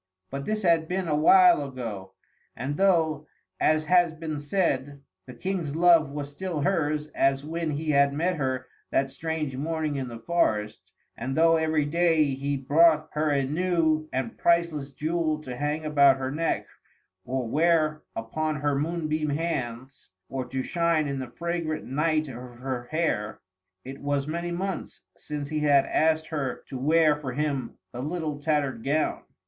But this had been a while ago, and though, as has been said, the King's love was still hers as when he had met her that strange morning in the forest, and though every day he brought her a new and priceless jewel to hang about her neck, or wear upon her moonbeam hands, or to shine in the fragrant night of her hair, it was many months since he had asked her to wear for him the little tattered gown.